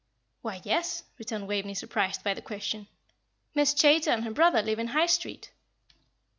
"Why, yes," returned Waveney, surprised by the question. "Miss Chaytor and her brother live in High Street."